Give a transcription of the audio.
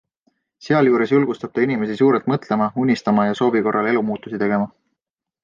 Sealjuures julgustab ta inimesi suurelt mõtlema, unistama ja soovi korral elumuutusi tegema.